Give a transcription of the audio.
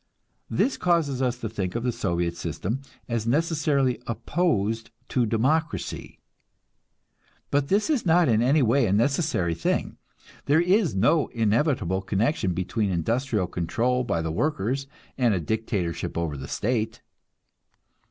This causes us to think of the Soviet system as necessarily opposed to democracy, but this is not in any way a necessary thing. There is no inevitable connection between industrial control by the workers and a dictatorship over the state.